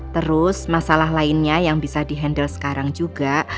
terus masalah lainnya yang bisa di handle sekarang juga